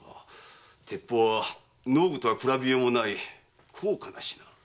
鉄砲は農具とは比べようもない高価な品。